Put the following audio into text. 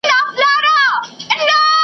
سوځلی مي باروتو د تنکۍ حوري اوربل دی .